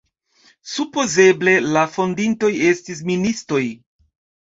Supozeble la fondintoj estis ministoj.